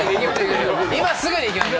今すぐに行きましょ